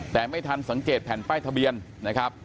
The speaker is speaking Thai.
แต่ไม่ทันสังเกตแผ่นป้ายทะเบียนนะครับ